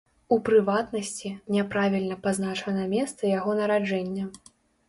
У прыватнасці, няправільна пазначана месца яго нараджэння.